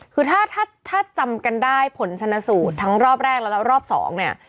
คือถ้าถ้าจำกันได้ผลชนะสูตรทั้งรอบแรกและรอบสองเนี่ย